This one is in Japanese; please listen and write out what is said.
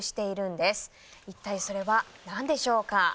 いったいそれは何でしょうか。